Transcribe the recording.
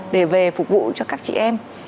để về phục vụ cho các chị em